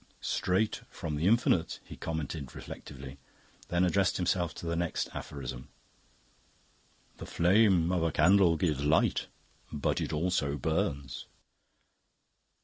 "Straight from the Infinite," he commented reflectively, then addressed himself to the next aphorism. "The flame of a candle gives Light, but it also Burns."